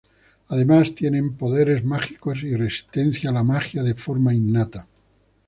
Además tienen poderes mágicos y resistencia a la magia de forma innata.